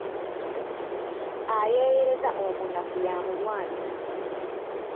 Ayeeyereza omunafu y'amulwanya.